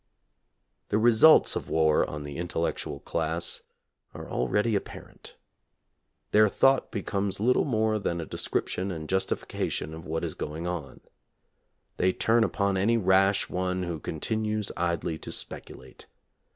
The results of war on the intellectual class are already apparent. Their thought becomes little more than a description and justification of what is going on. They turn upon any rash one who continues idly to speculate.